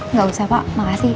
nggak usah pak makasih